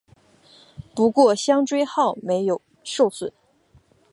不过香椎号没有受损。